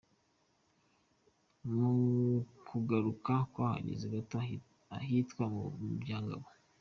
Mu kugaruka twahagaze gato ahitwa mu Byangabo.